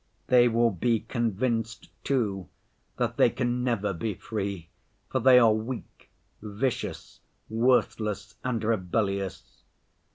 They will be convinced, too, that they can never be free, for they are weak, vicious, worthless and rebellious.